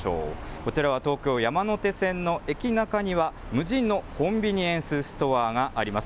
こちらは東京・山手線の駅中には、無人のコンビニエンスストアがあります。